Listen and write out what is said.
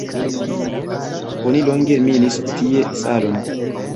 Oni longe minis tie salon.